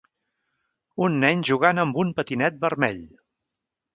Un nen jugant amb un patinet vermell.